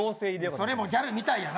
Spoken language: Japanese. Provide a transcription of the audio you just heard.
それもギャルみたいやな。